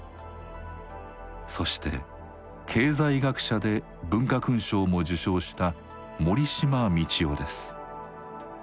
そして経済学者で文化勲章も受章した森嶋通夫です。